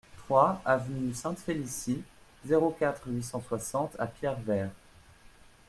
trois avenue Sainte-Félicie, zéro quatre, huit cent soixante à Pierrevert